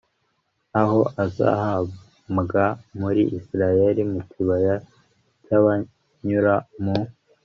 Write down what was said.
aho azahambwa muri isirayeli mu kibaya cy abanyura mu